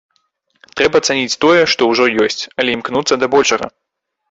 Трэба цаніць тое, што ўжо ёсць, але імкнуцца да большага.